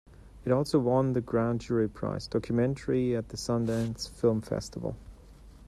It also won the Grand Jury Prize: Documentary at the Sundance Film Festival.